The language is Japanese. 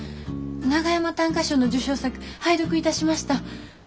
長山短歌賞の受賞作拝読いたしました。